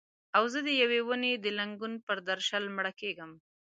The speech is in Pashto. او زه د یوې ونې د لنګون پر درشل مړه کیږم